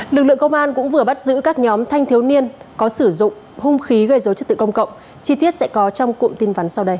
lực lượng công an cũng vừa bắt giữ các nhóm thanh thiếu niên có sử dụng hung khí gây dối chất tự công cộng